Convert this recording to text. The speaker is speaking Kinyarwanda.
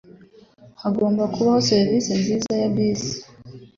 Hagomba kubaho serivisi nziza ya bisi.